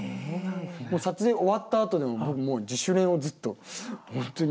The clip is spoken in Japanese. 撮影終わったあとでも僕もう自主練をずっと本当に。